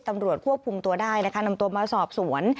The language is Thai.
ตำรวจควบคุมตัวได้นะคะนำตัวมาสอบสวน